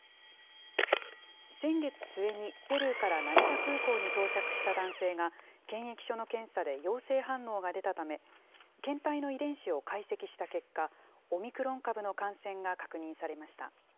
先月末にペルーから成田空港に到着した男性が、検疫所の検査で陽性反応が出たため、検体の遺伝子を解析した結果、オミクロン株の感染が確認されました。